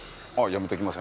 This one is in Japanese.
「やめときます」